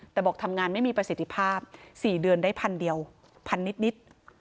แต่บอกทำงานไม่มีประสิทธิภาพ๔เดือนได้พันเดียวพันนิด